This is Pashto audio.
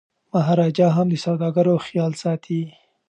مهاراجا هم د سوداګرو خیال ساتي.